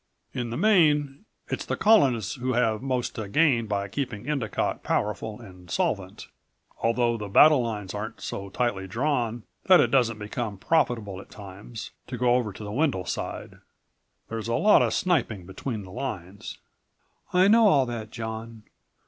"In the main, it's the Colonists who have most to gain by keeping Endicott powerful and solvent ... although the battle lines aren't so tightly drawn that it doesn't become profitable, at times, to go over to the Wendel side. There's a lot of sniping between the lines." "I know all that, John."